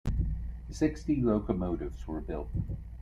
Sixty locomotives were built.